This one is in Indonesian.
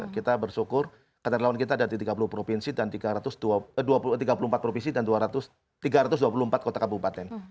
kita bersyukur karena relawan kita ada di tiga puluh empat provinsi dan tiga ratus dua puluh empat kota kabupaten